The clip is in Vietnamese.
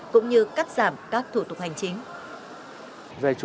cũng như cắt giảm các thủ tục hành chính